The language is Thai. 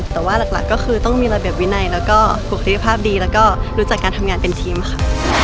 แต่ว่าหลักก็คือต้องมีระเบียบวินัยแล้วก็บุคลิกภาพดีแล้วก็รู้จักการทำงานเป็นทีมค่ะ